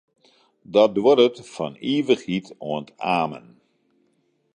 Dat duorret fan ivichheid oant amen.